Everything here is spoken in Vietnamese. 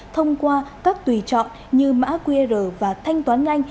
thông qua các tùy chọn như mã qr và thanh toán nhanh